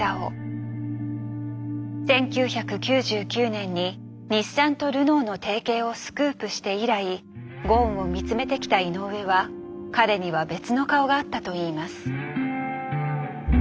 １９９９年に日産とルノーの提携をスクープして以来ゴーンを見つめてきた井上は彼には別の顔があったといいます。